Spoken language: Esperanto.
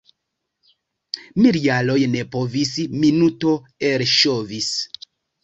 Miljaroj ne povis - minuto elŝovis.